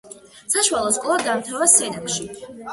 საშუალო სკოლა დაამთავრა სენაკში.